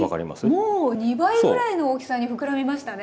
もう２倍ぐらいの大きさに膨らみましたね。